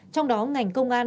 trong đó ngành công an